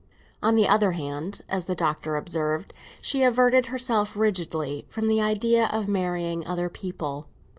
On the other hand, as the Doctor observed, she averted herself rigidly from the idea of marrying other people.